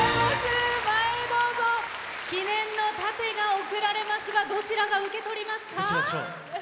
記念の盾が贈られますがどちらが受け取りますか？